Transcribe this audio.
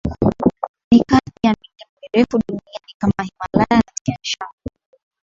Ni kati ya milima mirefu duniani kama Himalaya na Tian Shan